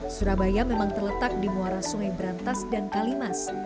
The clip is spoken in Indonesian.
surabaya memang terletak di muara sungai berantas dan kalimas